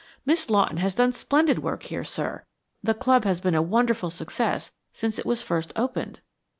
Miss Lawton has done splendid work here, sir; the club has been a wonderful success since it was first opened."